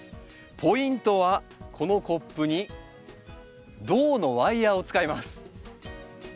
ポイントはこのコップに銅のワイヤーを使います。